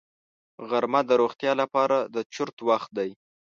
غرمه د روغتیا لپاره د چرت وخت دی